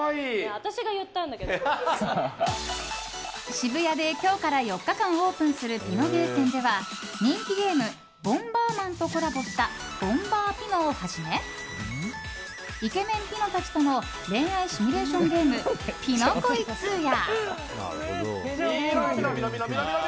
渋谷で今日から４日間オープンするピノゲーセンでは人気ゲーム「ボンバーマン」とコラボした「ボンバーピノ」をはじめイケメンピノたちとの恋愛シミュレーションゲーム「ピノ恋２」や。